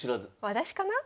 私かな？